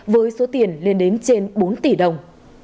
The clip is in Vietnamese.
với số tiền lên đến trên bốn tỷ đồng